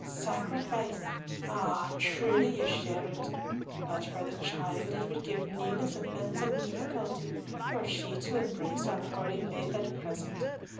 Sacrifice, ah! truly you share it! But for the child, it would give needless offence and difficulty were she to embrace our holy faith at present.